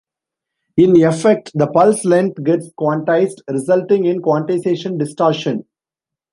In effect, the pulse length gets quantized, resulting in quantization distortion.